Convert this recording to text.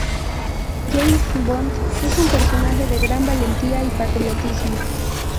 James Bond es un personaje de gran valentía y patriotismo.